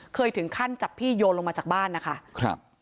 เคยถึงขั้นจับพี่โยนลงมาจากบ้านนะคะครับ